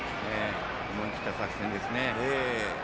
思い切った作戦ですね。